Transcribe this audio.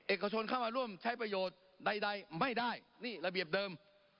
เอกชนเข้ามาร่วมใช้ประโยชน์ใดไม่ได้นี่ระเบียบเดิม